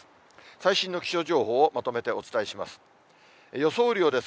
最新の気象情報をまとめてお伝えします。